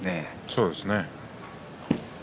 そうですね。